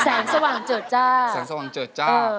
แสงสว่างเจิดจ้า